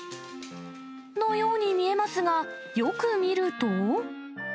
のように見えますが、よく見ると。